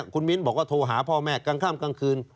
คุณมิ้นบอกว่าโทรหาพ่อแม่กลางค่ำกลางคืน